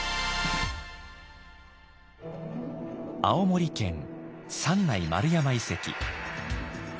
青森県三内丸山遺跡。